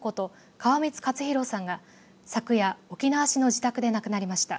川満勝弘さんが昨夜沖縄市の自宅で亡くなりました。